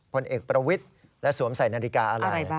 ผลเอกประวิทย์และสวมใส่นาฬิกาอะไร